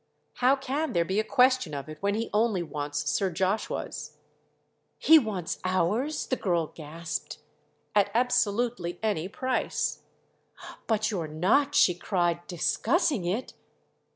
"How can there be a question of it when he only wants Sir Joshuas?" "He wants ours?" the girl gasped. "At absolutely any price." "But you're not," she cried, "discussing it?"